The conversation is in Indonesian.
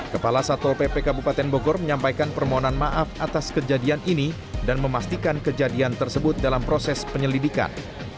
kepala satpol pp kabupaten bogor menyampaikan permohonan maaf atas kejadian ini dan memastikan kejadian tersebut dalam proses penyelidikan